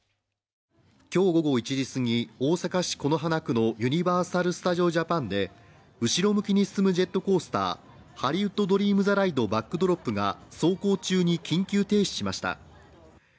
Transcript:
今日午後１時すぎ、大阪市此花区のユニバーサル・スタジオ・ジャパンで後ろ向きに進むジェットコースター、ハリウッド・ドリーム・ザ・ライドバックドロップが走行中に緊急停止しました。